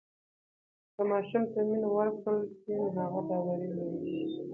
که ماشوم ته مینه ورکړل سي نو هغه باوري لویېږي.